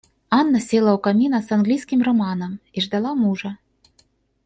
Анна села у камина с английским романом и ждала мужа.